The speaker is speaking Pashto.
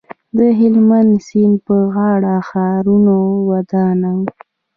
د هلمند سیند په غاړه ښارونه ودان وو